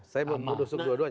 saya menusuk dua duanya